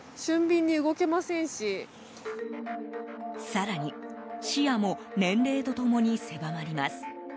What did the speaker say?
更に視野も年齢と共に狭まります。